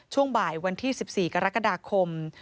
ช่วงบ่ายวันที่๑๔กรกฎาคม